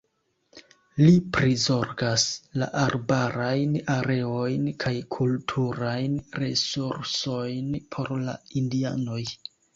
Li prizorgas la arbarajn areojn kaj kulturajn resursojn por la indianoj.